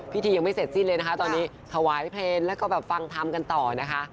ยังไม่เสร็จสิ้นเลยนะคะตอนนี้ถวายเพลงแล้วก็แบบฟังธรรมกันต่อนะคะ